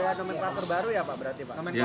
ada nomenklatur baru ya pak berarti pak